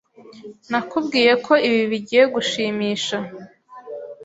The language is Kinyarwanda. Nakubwiye ko ibi bigiye gushimisha.